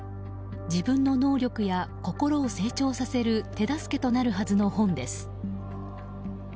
自分の能力や心を成長させる手助けとなるはずの本です。